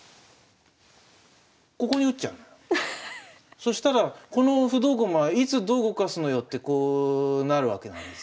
そしたらこの不動駒はいつどう動かすのよってこうなるわけなんです。